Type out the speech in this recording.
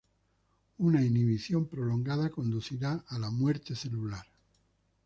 Una inhibición prolongada conducirá a la muerte celular.